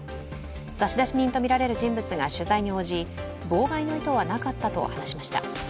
差出人とみられる人物が取材に応じ妨害の意図はなかったと話しました。